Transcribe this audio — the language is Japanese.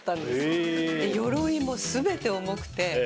よろいも全て重くて。